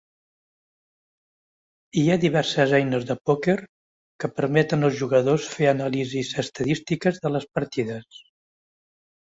Hi ha diverses eines de pòquer que permeten als jugadors fer anàlisis estadístiques de les partides.